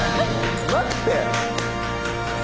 待って！